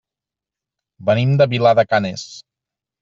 Venim de Vilar de Canes.